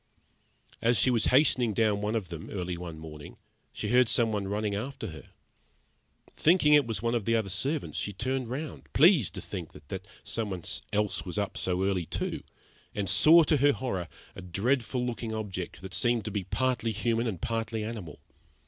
As she was hastening down one of them, early one morning, she heard some one running after her. Thinking it was one of the other servants, she turned round, pleased to think that some one else was up early too, and saw to her horror a dreadful looking object, that seemed to be partly human and partly animal.